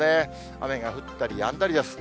雨が降ったりやんだりです。